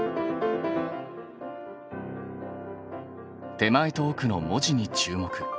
手前とおくの文字に注目。